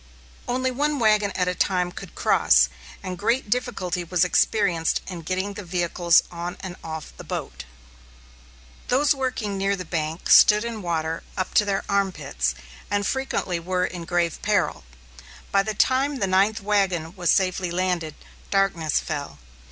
Only one wagon at a time could cross, and great difficulty was experienced in getting the vehicles on and off the boat. Those working near the bank stood in water up to their arm pits, and frequently were in grave peril. By the time the ninth wagon was safely landed, darkness fell.